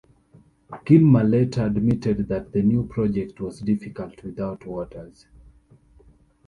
Gilmour later admitted that the new project was difficult without Waters.